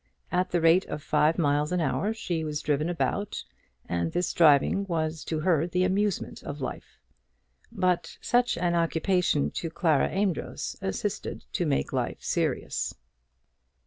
At the rate of five miles an hour was she driven about, and this driving was to her the amusement of life. But such an occupation to Clara Amedroz assisted to make life serious.